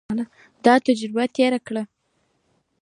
دا تجربه تېره کړي.